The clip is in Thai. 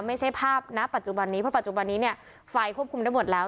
ไม่ใช่ภาพณปัจจุบันนี้เพราะปัจจุบันนี้เนี่ยไฟควบคุมได้หมดแล้ว